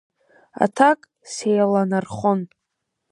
Аҭак сеиланархон.